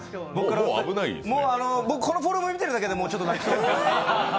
僕、このフォルム見てるだけでちょっと泣きそうになります。